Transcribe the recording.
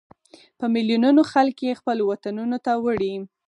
په ملیونونو خلک یې خپلو وطنونو ته وړي.